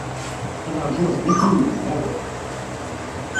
Ad ṛjuɣ sdat-inna, deg beṛṛa.